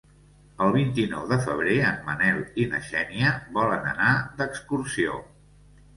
El vint-i-nou de febrer en Manel i na Xènia volen anar d'excursió.